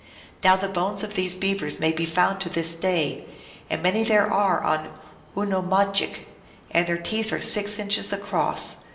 Now the bones of these Beavers niay be found to this day, and many there are on Oonamahgik, and their teeth are six inches across